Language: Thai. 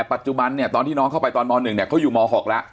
ปัจจุบันเนี่ยตอนที่น้องเข้าไปตอนม๑เนี่ยเขาอยู่ม๖แล้ว